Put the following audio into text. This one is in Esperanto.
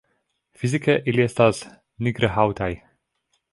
Fizike ili estas nigr-haŭtaj.